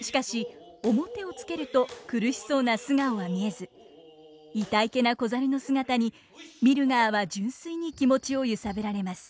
しかし面をつけると苦しそうな素顔は見えずいたいけな子猿の姿に見る側は純粋に気持ちを揺さぶられます。